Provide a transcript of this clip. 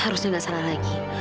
harusnya gak salah lagi